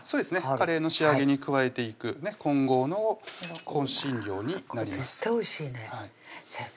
カレーの仕上げに加えていく混合の香辛料になります先生